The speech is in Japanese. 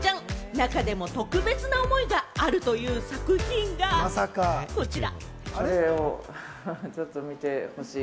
中でも特別な思いがあるという作品がこちら！